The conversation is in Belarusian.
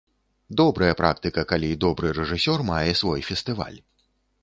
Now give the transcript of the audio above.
Добрая практыка, калі добры рэжысёр мае свой фестываль.